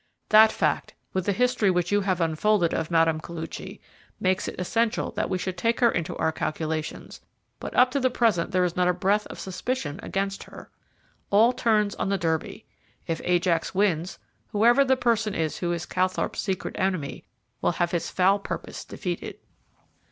That fact, with the history which you have unfolded of Mme. Koluchy, makes it essential that we should take her into our calculations, but up to the present there is not a breath of suspicion against her. All turns on the Derby. If Ajax wins, whoever the person is who is Calthorpe's secret enemy, will have his foul purpose defeated."